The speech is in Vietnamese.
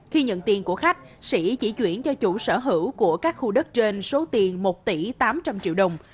khi nhận tiền của khách sĩ chỉ chuyển cho chủ sở hữu của các khu đất trên số tiền một tỷ tám trăm linh triệu đồng